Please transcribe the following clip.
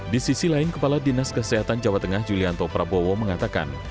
di sisi lain kepala dinas kesehatan jawa tengah julianto prabowo mengatakan